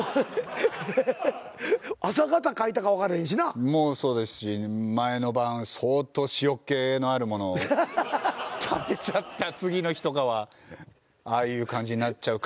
朝方描いたかわかれへんしな。もそうですし前の晩相当塩っ気のあるものを食べちゃった次の日とかはああいう感じになっちゃうかもしれませんけど。